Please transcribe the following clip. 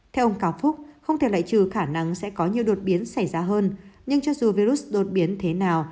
theo ông cào phúc không thể loại trừ khả năng sẽ có nhiều đột biến xảy ra hơn nhưng cho dù virus đột biến thế nào